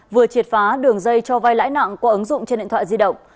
vừa triệt phá đường dây cho vai lãi nặng qua ứng dụng trên điện thoại di động